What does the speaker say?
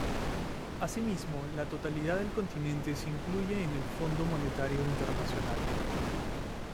Así mismo, la totalidad del continente se incluye en el Fondo Monetario Internacional.